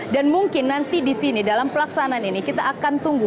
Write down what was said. dan mungkin nanti di sini dalam pelaksanaan ini kita akan tunggu